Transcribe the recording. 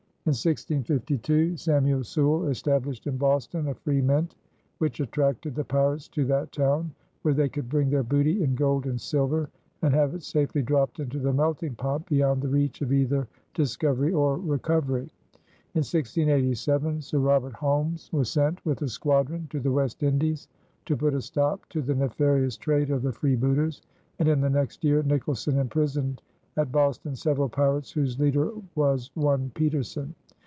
In 1652 Samuel Sewall established in Boston a free mint, which attracted the pirates to that town, where they could bring their booty in gold and silver and have it safely dropped into the melting pot beyond the reach of either discovery or recovery. In 1687 Sir Robert Holmes was sent with a squadron to the West Indies to put a stop to the nefarious trade of the freebooters, and in the next year Nicholson imprisoned at Boston several pirates whose leader was "one Petersen."